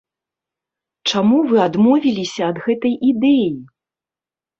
Чаму вы адмовіліся ад гэтай ідэі?